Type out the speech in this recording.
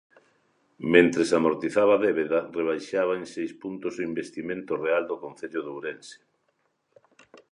Mentres amortizaba débeda rebaixaba en seis puntos o investimento real do concello de Ourense.